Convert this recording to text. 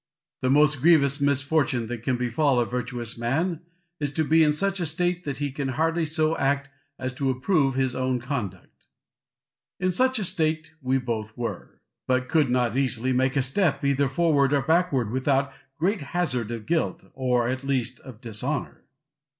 The most grievous misfortune that can befall a virtuous man is to be in such a state that he can hardly so act as to approve his own conduct. In such a state we both were. We could not easily make a step, either forward or backward, without great hazard of guilt, or at least of dishonour.